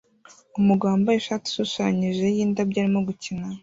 Umugabo wambaye ishati ishushanyije yindabyo arimo gukina